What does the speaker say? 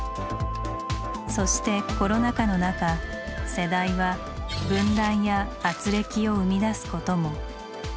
そしてコロナ禍の中世代は「分断」や「軋轢」を生み出すことも。